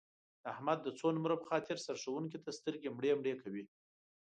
د احمد د څو نمرو په خاطر سرښوونکي ته سترګې مړې مړې کوي.